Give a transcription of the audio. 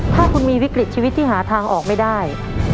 ถ้าคุณมีวิกฤตชีวิตที่หาทางออกไม่ได้